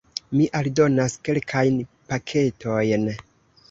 Mi aldonas kelkajn paketojn: